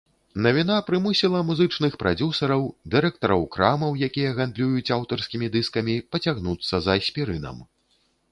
Навіна прымусіла музычных прадзюсараў, дырэктараў крамаў, якія гандлююць аўтарскімі дыскамі, пацягнуцца за аспірынам.